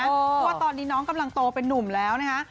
เพราะว่าตอนนี้น้องกำลังโตเป็นนุ่มแล้วนะคะ